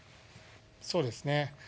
そうですね。